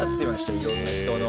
いろんな人の。